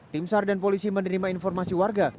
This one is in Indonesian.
tim sar dan polisi menerima informasi warga